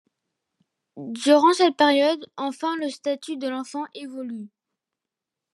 Durant cette période, enfin le statut de l’enfant évolue.